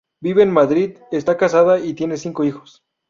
Vive en Madrid, está casada y tiene cinco hijos.